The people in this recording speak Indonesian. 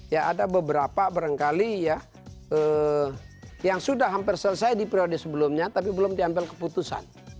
ya ada beberapa barangkali ya yang sudah hampir selesai di periode sebelumnya tapi belum diambil keputusan